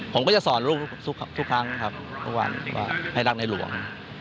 ผมก็จะสอนทุกครั้งวันว่าให้รักในหลวง